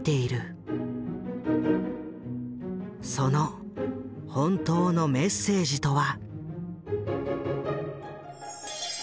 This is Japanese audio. その本当のメッセージとは？